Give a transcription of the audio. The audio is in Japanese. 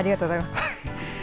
ありがとうございます。